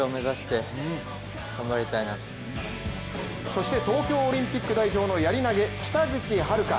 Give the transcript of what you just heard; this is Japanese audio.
そして東京オリンピック代表のやり投げ、北口榛花。